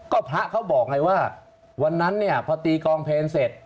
ก็พระเขาบอกไงว่าวันนั้นเนี่ยพอตีกองเพลงเสร็จ